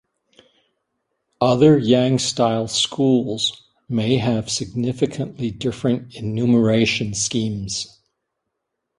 Other Yang style schools may have significantly different enumeration schemes.